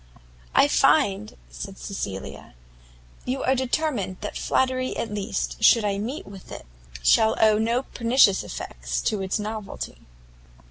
"I find," said Cecilia, "you are determined that flattery at least, should I meet with it, shall owe no pernicious effects to its novelty."